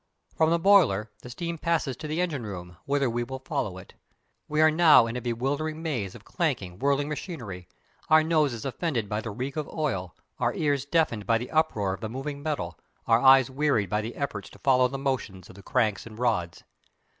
From the boiler the steam passes to the engine room, whither we will follow it. We are now in a bewildering maze of clanking, whirling machinery; our noses offended by the reek of oil, our ears deafened by the uproar of the moving metal, our eyes wearied by the efforts to follow the motions of the cranks and rods.